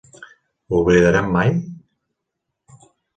Ho oblidarem mai?